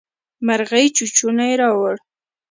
مرغۍ چوچوڼی راووړ.